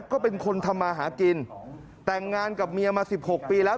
ก็เป็นคนทำมาหากินแต่งงานกับเมียมาสิบหกปีแล้ว